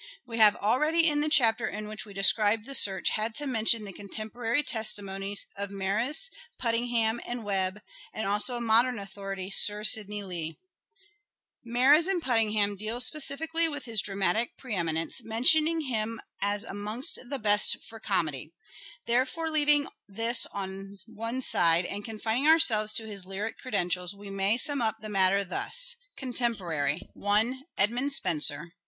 We have already, in the chapter in which we de scribed the search, had to mention the contemporary testimonies of Meres, Puttenham, and Webbe, and also a modern authority — Sir Sidney Lee. Meres and 156 " SHAKESPEARE " IDENTIFIED Puttenham deal specially with his dramatic pre eminence, mentioning him as amongst the " best for comedy." Therefore, leaving this on one side and confining ourselves to his lyric credentials, we may sum up the matter thus : Summary. Contemporary : 1. Edmund Spenser.